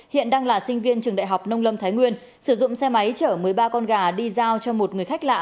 hiện đang là sinh viên trường đại học nông lâm thái nguyên sử dụng xe máy chở một mươi ba con gà đi giao cho một người khách lạ